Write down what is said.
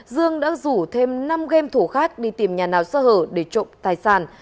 dương đã rủ thêm năm game thủ khác đi tìm nhà nào sơ hở để trộm tài sản